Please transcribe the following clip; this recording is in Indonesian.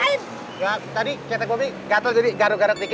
beda dari majalah adem masa nek